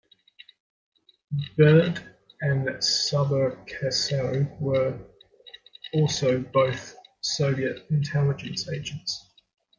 Burd and Subercaseaux were also both Soviet intelligence agents.